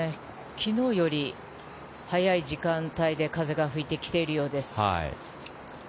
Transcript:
昨日より早い時間帯で風が吹いてきているようです。